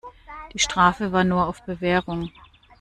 Die Strafe war nur auf Bewährung.